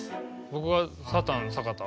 僕はサタン坂田？